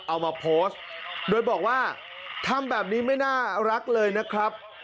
เอามาโพสต์โดยบอกว่าทำแบบนี้ไม่น่ารักเลยนะครับ